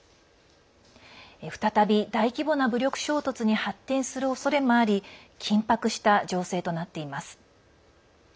再び大規模な武力衝突に発展するおそれもあり緊迫した情勢となっています。